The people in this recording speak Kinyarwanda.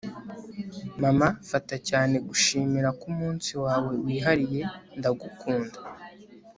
mama, fata cyane gushimira kumunsi wawe wihariye. ndagukunda